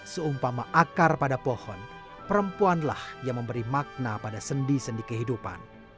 seumpama akar pada pohon perempuanlah yang memberi makna pada sendi sendi kehidupan